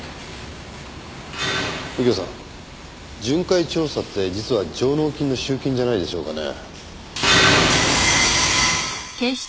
右京さん巡回調査って実は上納金の集金じゃないでしょうかね？